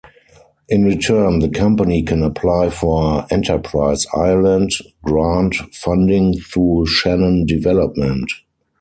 In return the company can apply for Enterprise Ireland grant funding through Shannon Development.